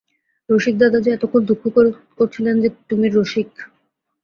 রসিকদাদা যে এতক্ষণ দুঃখ করছিলেন যে তুমি– রসিক।